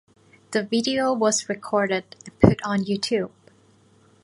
The video was recorded and put on YouTube.